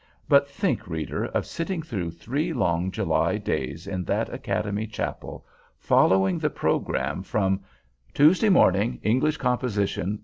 But think, reader, of sitting through three long July days in that Academy chapel, following the program from TUESDAY MORNING. ENGLISH COMPOSITION.